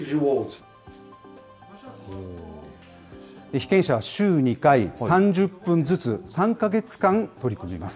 被験者は週２回、３０分ずつ、３か月間取り組みます。